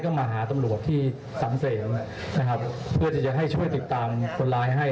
ก็มาหาตำรวจที่สังเสมนะครับเพื่อที่จะให้ช่วยติดตามคนร้ายให้